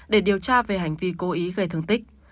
để điều tra về hành vi cố ý gây thương tích